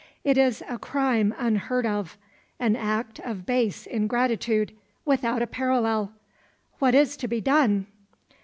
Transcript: It is a crime unheard of, an act of base ingratitude, without a parallel. What is to be done?"